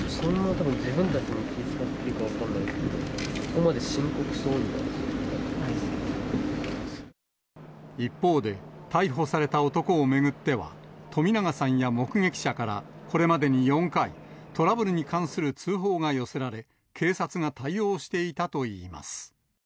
でも、自分たちに気遣ってか分かんないですけど、そこまで深刻そ一方で、逮捕された男を巡っては、冨永さんや目撃者から、これまでに４回、トラブルに関する通報が寄せられ、警察が対応していたといいます。